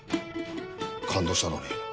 感動したのに。